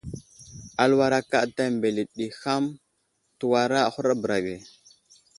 Aluwar akaɗta mbele ɗi ham təwara a huraɗ bəra ge.